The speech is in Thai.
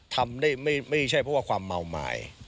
ทำได้ไม่ใช่เพราะว่าความเมาหมาย